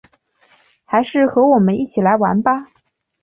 还是和我们一起来玩吧